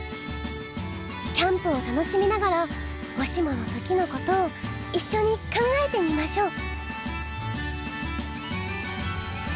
キャンプを楽しみながらもしものときのことをいっしょに考えてみましょう！